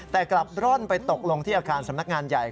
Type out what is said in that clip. แต่กลับร่อนไปตกลงที่อาคารสำนักงานใหญ่